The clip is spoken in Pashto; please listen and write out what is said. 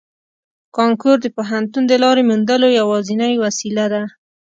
کانکور د پوهنتون د لارې موندلو یوازینۍ وسیله ده